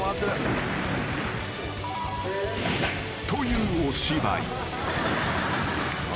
［というお芝居］